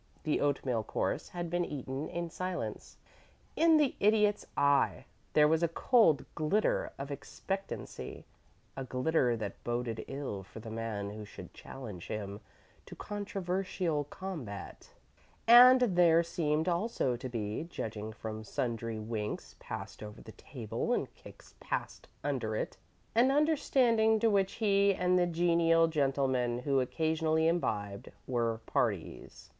The oatmeal course had been eaten in silence. In the Idiot's eye there was a cold glitter of expectancy a glitter that boded ill for the man who should challenge him to controversial combat and there seemed also to be, judging from sundry winks passed over the table and kicks passed under it, an understanding to which he and the genial gentleman who occasionally imbibed were parties.